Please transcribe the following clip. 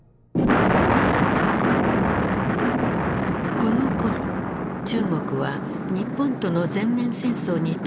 このころ中国は日本との全面戦争に突入していた。